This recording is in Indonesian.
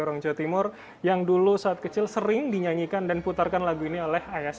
orang jawa timur yang dulu saat kecil sering dinyanyikan dan putarkan lagu ini oleh ayah